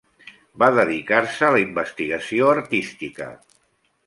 Va dedicar-se a la investigació artística.